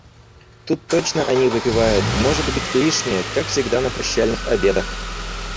Тут точно они выпивают, может быть, лишнее, как всегда на прощальных обедах.